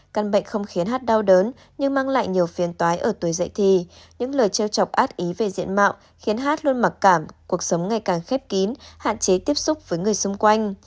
căn bệnh không khiến hát đau đớn nhưng mang lại nhiều phiền tói ở tuổi dậy thì những lời treo chọc át ý về diện mạo khiến hát luôn mặc cảm cuộc sống ngày càng khép kín hạn chế tiếp xúc với người xung quanh